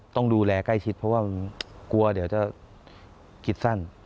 ต้องดูแลใกล้ชิดเพราะว่ากลัวเดี๋ยวจะคิดสั้น